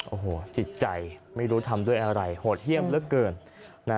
โอ้โหจิตใจไม่รู้ทำด้วยอะไรโหดเยี่ยมเหลือเกิน